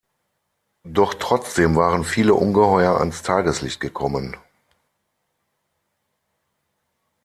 Doch trotzdem waren viele Ungeheuer ans Tageslicht gekommen.